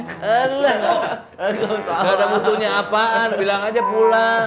kalau ada mutunya apaan bilang aja pulang